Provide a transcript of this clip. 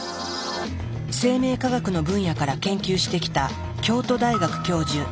生命科学の分野から研究してきた京都大学教授